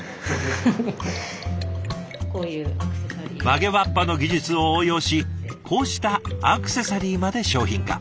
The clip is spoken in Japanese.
曲げわっぱの技術を応用しこうしたアクセサリーまで商品化。